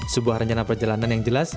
sebuah rencana perjalanan yang jelas